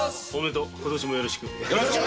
今年もよろしく。